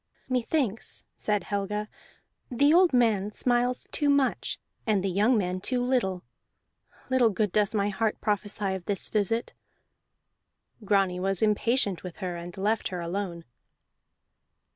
"Methinks," said Helga, "the old man smiles too much and the young man too little. Little good does my heart prophesy of this visit." Grani was impatient with her and left her alone.